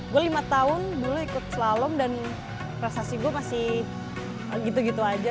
gue lima tahun dulu ikut slalom dan prestasi gue masih gitu gitu aja